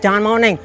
jangan mau neng